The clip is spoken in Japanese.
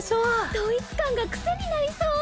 統一感がクセになりそう。